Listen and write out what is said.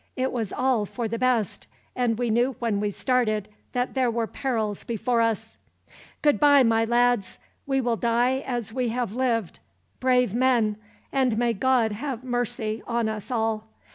It was all for the best, and we knew when we started that there were perils before us." "Goodbye, my lads! We will die as we have lived brave men and may God have mercy on us all.